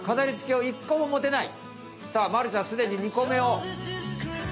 さあまるちゃんすでに２個めを。